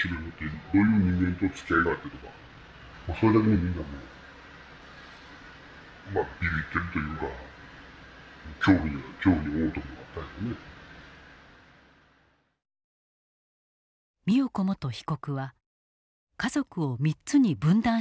美代子元被告は家族を３つに分断したという。